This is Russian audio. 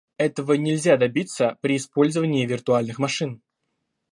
Этого нельзя добиться при использовании виртуальных машин